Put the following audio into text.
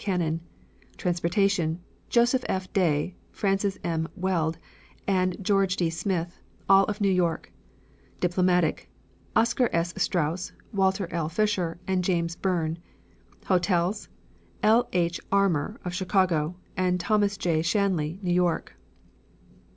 Cannon; Transportation Joseph F. Day, Francis M. Weld and George D. Smith, all of New York; Diplomatic Oscar S. Straus, Walter L. Fisher and James Byrne; Hotels L. H. Armour, of Chicago, and Thomas J. Shanley, New York.